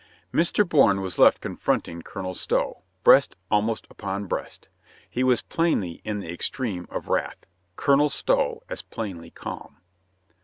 Mr. Bourne was left confronting Colonel Stow, breast almost upon breast. He was plainly in the ex treme of wrath ; Colonel Stow as plainly calm.